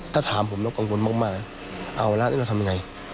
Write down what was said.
ถ้าถามผมแล้วกับคนมากเอาละนี่เราทำยังไง